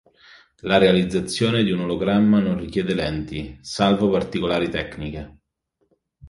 La realizzazione di un ologramma non richiede lenti, salvo particolari tecniche.